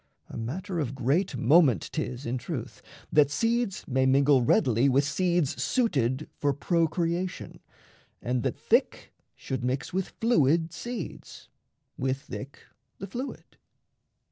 A matter of great moment 'tis in truth, That seeds may mingle readily with seeds Suited for procreation, and that thick Should mix with fluid seeds, with thick the fluid.